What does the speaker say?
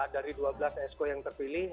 dari dua belas esko yang terpilih